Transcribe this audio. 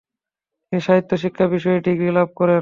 তিনি সাহিত্য ও শিক্ষা বিষয়ে ডিগ্রি লাভ করেন।